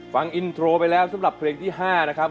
ฟังอินโทรไปแล้วสำหรับเพลงที่๕นะครับ